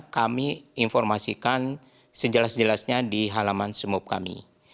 kami informasikan sejelas jelasnya di halaman smop kami